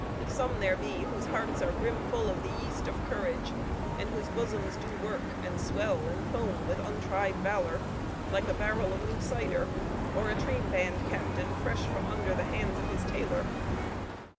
Some there be whose hearts are brimful of the yeast of courage, and whose bosoms do work, and swell, and foam with untried valor, like a barrel of new cider, or a train band captain fresh from under the hands of his tailor.